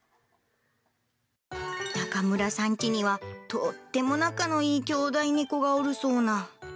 中村さんちには、とっても仲のいい兄弟猫がおるそうな。